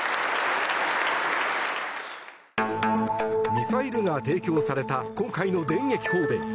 ミサイルが提供された今回の電撃訪米。